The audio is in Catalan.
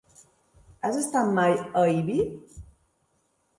Has estat mai a Ibi?